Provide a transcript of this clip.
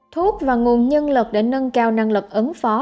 thuốc và nguồn nhân lực để nâng cao năng lực ứng phó